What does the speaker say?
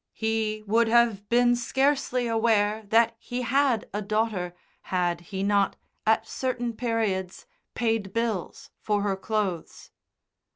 He would have been scarcely aware that he had a daughter had he not, at certain periods, paid bills for her clothes.